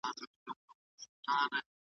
بس دا یوه شپه سره یوازي تر سبا به سو .